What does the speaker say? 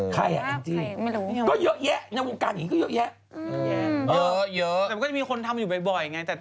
แต่มันก็มีคนทำมันอยู่บ่อยไง